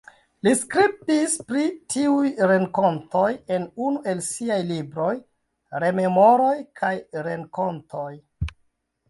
Li skribis pri tiuj renkontoj en unu el siaj libroj: "Rememoroj kaj renkontoj".